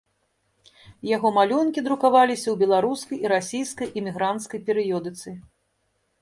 Яго малюнкі друкаваліся ў беларускай і расійскай эмігранцкай перыёдыцы.